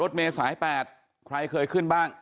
รอดแม้สาย๘ใครเคยขึ้นบ้าง